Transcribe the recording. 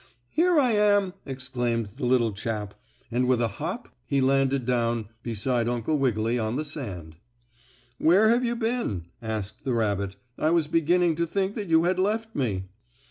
"Here I am," exclaimed the little chap, and with a hop he landed down beside Uncle Wiggily on the sand. "Where have you been?" asked the rabbit. "I was beginning to think that you had left me."